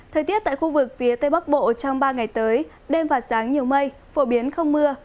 thời tiết tại khu vực phía tây bắc bộ trong ba ngày tới đêm và sáng nhiều mây phổ biến không mưa